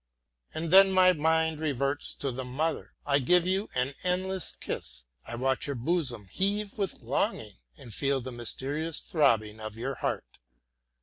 And then my mind reverts to the mother. I give you an endless kiss; I watch your bosom heave with longing, and feel the mysterious throbbing of your heart.